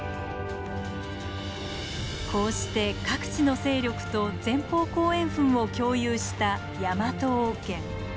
こうして各地の勢力と前方後円墳を共有したヤマト王権。